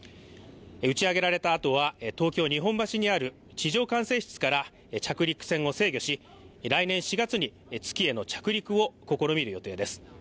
打ち上げられたあとは東京・日本橋にある地上管制室から着陸船を制御し、来年４月に月への着陸を試みる予定です。